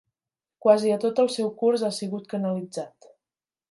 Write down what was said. Quasi a tot el seu curs ha sigut canalitzat.